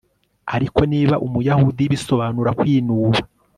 Ariko niba umuyahudi bisobanura kwinuba